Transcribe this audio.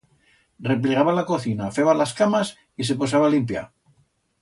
Repllegaba la cocina, feba las camas y se posaba a limpiar.